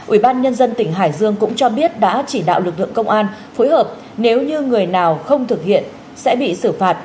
ubnd tỉnh hải dương cũng cho biết đã chỉ đạo lực lượng công an phối hợp nếu như người nào không thực hiện sẽ bị xử phạt